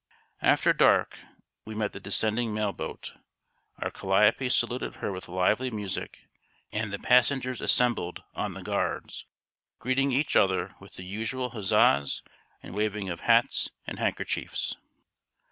After dark, we met the descending mail boat. Our calliope saluted her with lively music, and the passengers assembled on the guards, greeting each other with the usual huzzas and waving of hats and handkerchiefs.